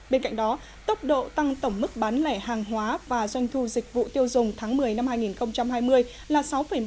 bên cạnh đó tốc độ tăng tổng mức bán lẻ hàng hóa và doanh thu dịch vụ tiêu dùng tháng một mươi năm hai nghìn hai mươi là sáu một